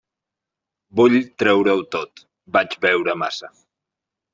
Vull treure-ho tot: vaig beure massa.